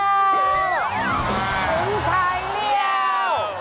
ถึงไทยเรียว